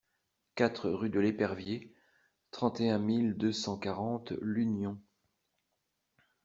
quatre rUE DE L EPERVIER, trente et un mille deux cent quarante L'Union